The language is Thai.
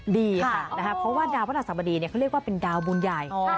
ดีค่ะเพราะว่าดาวพระศัพท์บดีเขาเรียกว่าเป็นดาวบุญใหญ่